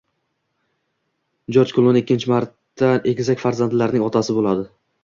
Jorj Kluni ikkinchi marta egizak farzandlarning otasi bo‘ladi